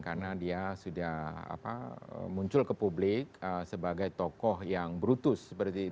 karena dia sudah muncul ke publik sebagai tokoh yang brutus